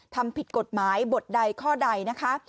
ทำผิดกฎหมายบทใดข้อใดนะคะ